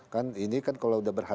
kan ini kan kalau sudah berhasil